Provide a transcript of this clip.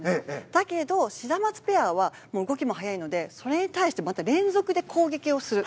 だけど、シダマツペアは動きも速いのでそれに対してまた連続で攻撃をする。